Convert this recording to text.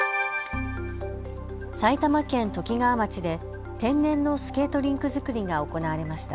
埼玉県ときがわ町で天然のスケートリンク造りが行われました。